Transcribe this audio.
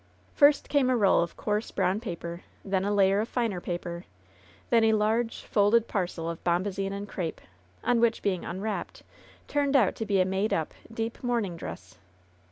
First same a roll of coarse brown paper; then a layer 64 LOVERS BITTEREST CUP of finer paper ; then a large, folded parcel of bombazine and crape, which, on being unwrapped, turned out to be a made up, deep mourning dress.